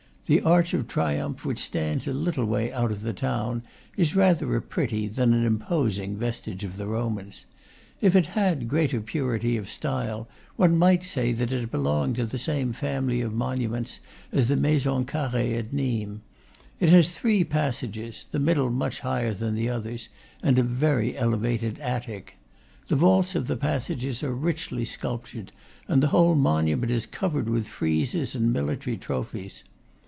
The arch of triumph, which stands a little way out of the town, is rather a pretty than an im posing vestige of the Romans. If it had greater purity of style, one might say of it that it belonged to the same family of monuments as the Maison Carree at Nimes. It has three passages, the middle much higher than the others, and a very elevated attic. The vaults of the passages are richly sculptured, and the whole monument is covered with friezes and military trophies.